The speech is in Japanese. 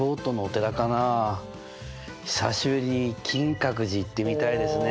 久しぶりに金閣寺行ってみたいですねえ。